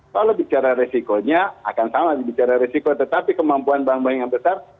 kalau bicara resikonya akan sama bicara resiko tetapi kemampuan bank bank yang besar